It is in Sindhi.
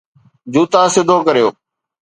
جوتا سڌو ڪريو